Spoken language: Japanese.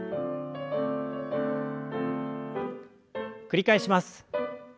繰り返します。